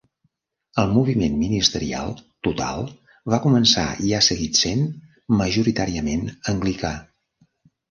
El moviment ministerial total va començar i ha seguit sent majoritàriament anglicà.